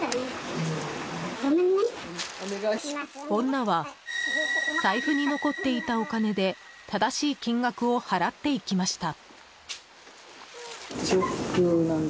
女は財布に残っていたお金で正しい金額を払っていきました。